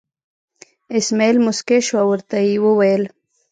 اسمعیل موسکی شو او ورته یې وویل.